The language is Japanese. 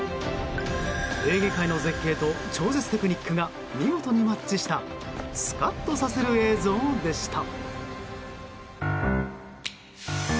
エーゲ海の絶景と超絶テクニックが見事にマッチしたスカッとさせる映像でした。